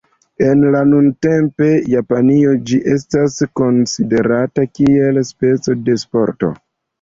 En la nuntempa Japanio ĝi estas konsiderata kiel speco de sporto.